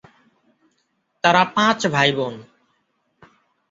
তারা পাঁচ ভাই বোন।